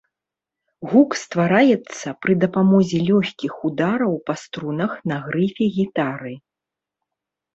Гук ствараецца пры дапамозе лёгкіх удараў па струнах на грыфе гітары.